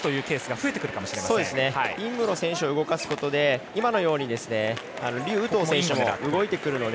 ろ選手を動かすことで今のように劉禹とう選手も動いてくるので。